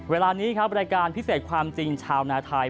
เวลานี้ครับรายการพิเศษความจริงชาวนาไทย